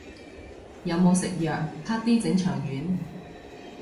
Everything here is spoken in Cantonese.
有冇食藥，啪啲整腸丸